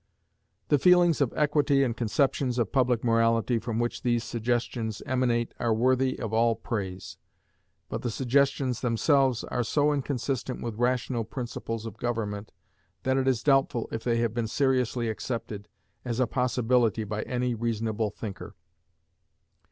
The feelings of equity and conceptions of public morality from which these suggestions emanate are worthy of all praise, but the suggestions themselves are so inconsistent with rational principles of government that it is doubtful if they have been seriously accepted as a possibility by any reasonable thinker.